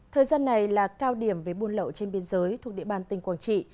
thời gian này là cao điểm với buôn lậu trên biên giới thuộc địa bàn tỉnh quảng trị